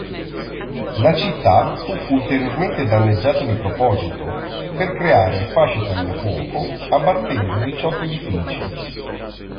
La città fu ulteriormente danneggiata di proposito, per creare fasce tagliafuoco, abbattendo diciotto edifici.